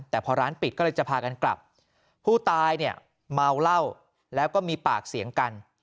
แต่พอร้านปิดก็เลยจะพากันกลับผู้ตายเนี่ยเมาเหล้าแล้วก็มีปากเสียงกัน